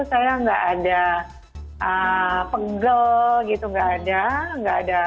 saya tidak ada penggel tidak ada